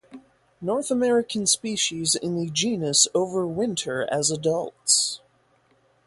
North American species in the genus overwinter as adults.